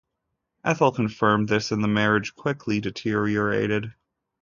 Ethel confirmed this and the marriage quickly deteriorated.